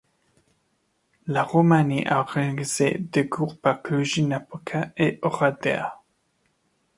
La Roumanie a organisé deux groupes à Cluj-Napoca et Oradea.